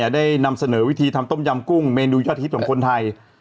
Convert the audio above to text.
ได้นำเสนอวิธีทำต้มยำกุ้งเมนูยอดฮิตของคนไทย